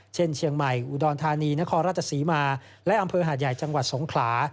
เช่นเชียงใหม่อุดรธานีนครราชศรีมาและอำเภอหาดใหญ่จังหวัดสงขลา